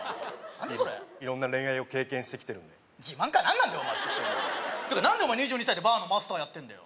何だそれ色んな恋愛を経験してきてるんで自慢か何なんだよお前うっとうしいなてか何でお前２２歳でバーのマスターやってんだよ